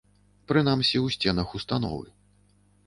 Прынамсі, у сценах установы.